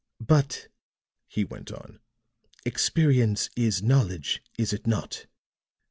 "But," he went on, "experience is knowledge, is it not?